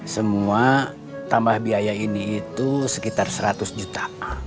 semua tambah biaya ini itu sekitar seratus juta